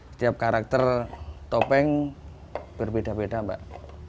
setiap karakter topeng berbeda beda mbak